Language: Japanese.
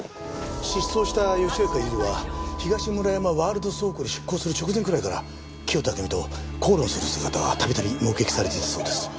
失踪した吉岡百合は東村山ワールド倉庫に出向する直前くらいから清田暁美と口論する姿が度々目撃されていたそうです。